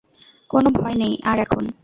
কোনো ভয় নেই আর এখন।